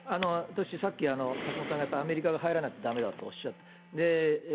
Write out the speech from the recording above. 私、さっき橋下さんがアメリカが入らないとだめだとおっしゃった。